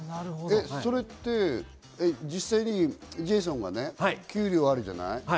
それって実際にジェイソンが、給料あるじゃない？